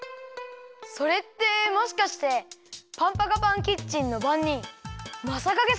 それってもしかしてパンパカパンキッチンのばんにんマサカゲさん？